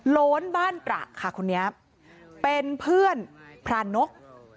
โล้นบ้านตระค่ะคนนี้เป็นเพื่อนพรานก